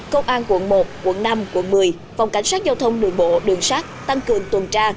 công an quận một quận năm quận một mươi phòng cảnh sát giao thông đường bộ đường sát tăng cường tuần tra